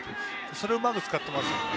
それをうまく使っていますね。